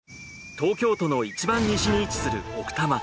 東京都のいちばん西に位置する奥多摩。